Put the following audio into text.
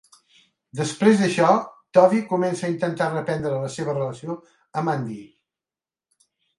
Després d'això, Toby comença a intentar reprendre la seva relació amb Andy.